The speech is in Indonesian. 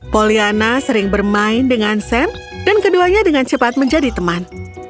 poliana sering bermain dengan sam dan keduanya dengan cepat menjadi teman